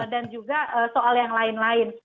dan juga soal yang lain lain